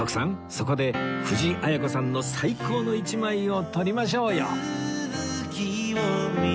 そこで藤あや子さんの最高の一枚を撮りましょうよ